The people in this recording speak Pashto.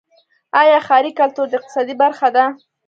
آیا ښاري کلتور د اقتصاد برخه ده؟